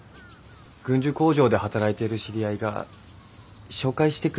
軍需工場で働いている知り合いが紹介してくれるって言うから。